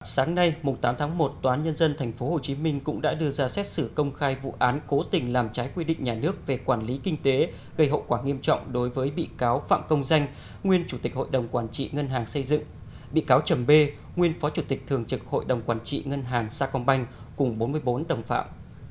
sáng nay tám tháng một tòa án nhân dân tp hcm cũng đã đưa ra xét xử công khai vụ án cố tình làm trái quy định nhà nước về quản lý kinh tế gây hậu quả nghiêm trọng đối với bị cáo phạm công danh nguyên chủ tịch hội đồng quản trị ngân hàng xây dựng bị cáo trầm bê nguyên phó chủ tịch thường trực hội đồng quản trị ngân hàng sacombank cùng bốn mươi bốn đồng phạm